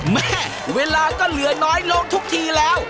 เวลาก็เหลือน้อยลงทุกทีแล้ว